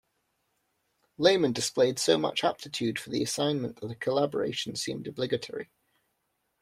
Layman displayed so much aptitude for the assignment that a collaboration seemed obligatory.